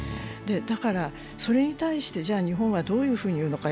だから、それに対してじゃあ日本はどういうふうに言うのか。